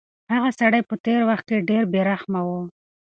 هغه سړی په تېر وخت کې ډېر بې رحمه و.